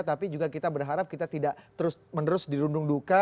tapi juga kita berharap kita tidak terus menerus dirundung duka